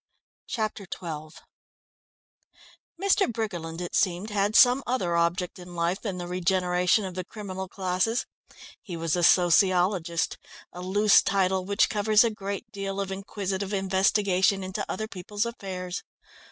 Chapter XII Mr. Briggerland, it seemed, had some other object in life than the regeneration of the criminal classes. He was a sociologist a loose title which covers a great deal of inquisitive investigation into other people's affairs.